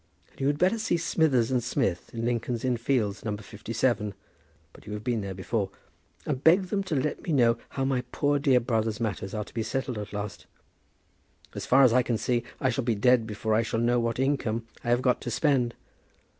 And you had better see Smithers and Smith, in Lincoln's Inn Fields, No. 57 but you have been there before, and beg them to let me know how my poor dear brother's matters are to be settled at last. As far as I can see I shall be dead before I shall know what income I have got to spend.